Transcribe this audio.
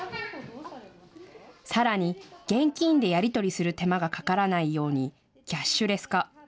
さらに現金でやり取りする手間がかからないようにキャッシュレス化。